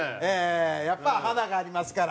やっぱり華がありますから。